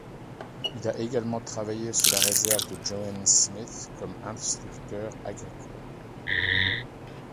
Il a également travaillé sur la réserve de Joen Smith comme un instructeur agricole.